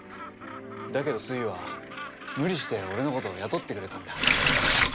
だけどスイは無理して俺の事を雇ってくれたんだ。